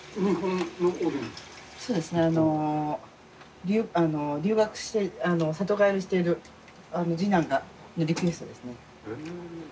そうですね留学して里帰りしている次男のリクエストですね。